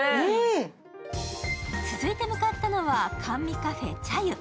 続いて向かったのは、甘味カフェ、茶ゆ。